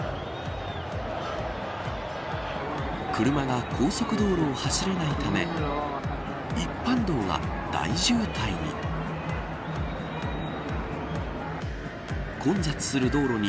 車が高速道路を走れないため一般道は大渋滞に。